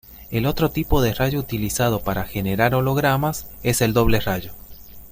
El otro tipo de rayo utilizado para generar hologramas es el doble rayo.